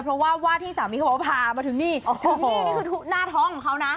เพราะว่าที่สามีเขาพามาทั้งนี้นี่คือหน้าท้องของเขานะ